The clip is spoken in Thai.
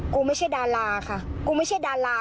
ไม่ใช่ดาราค่ะกูไม่ใช่ดารา